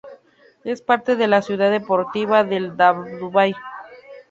Es parte de la ciudad deportiva de Dubái.